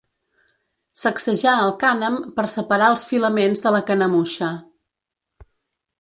Sacsejar el cànem per separar els filaments de la canemuixa.